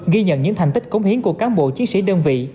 ghi nhận những thành tích cống hiến của cán bộ chiến sĩ đơn vị